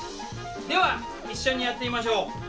では一緒にやってみましょう。